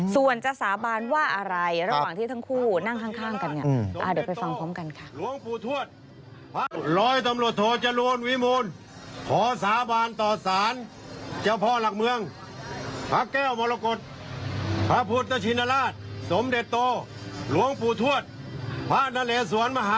ส่วนจะสาบานว่าอะไรระหว่างที่ทั้งคู่นั่งข้างกัน